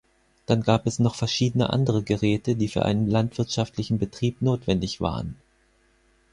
Dann gab es noch verschiedene andere Geräte, die für einen landwirtschaftlichen Betrieb notwendig waren.